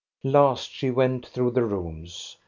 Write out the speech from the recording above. Last she went through the rooms.